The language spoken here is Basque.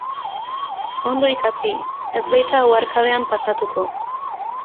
Ondo ikasi, ez baita oharkabean pasatuko.